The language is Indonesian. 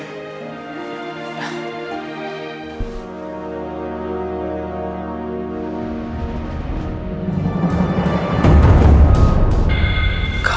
sampai jumpa lagi